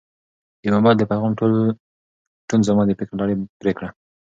د موبایل د پیغام ټون زما د فکر لړۍ پرې کړه.